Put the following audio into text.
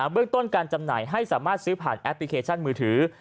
เรื่องต้นการจำหน่ายให้สามารถซื้อผ่านแอปพลิเคชันมือถือ